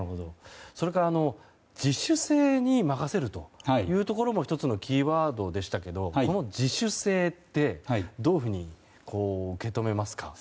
それから自主性に任せるというところも１つのキーワードでしたけれどもこの自主性ってどういうふうに受け止めますか？